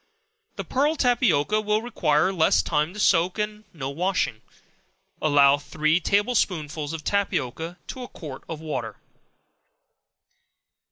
The pearl tapioca will require less time to soak, and no washing. Allow three table spoonsful of tapioca to a quart of water.